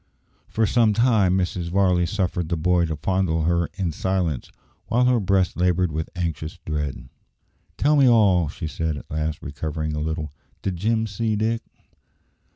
For some time Mrs. Varley suffered the boy to fondle her in silence, while her breast laboured with anxious dread. "Tell me all," she said at last, recovering a little. "Did Jim see Dick?"